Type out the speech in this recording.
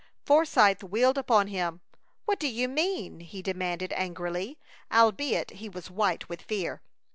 Forsythe wheeled upon him. "What do you mean?" he demanded, angrily, albeit he was white with fear.